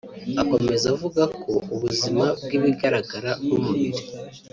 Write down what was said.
Akomeza avuga ko ubuzima bw’ibigaragara nk’umubiri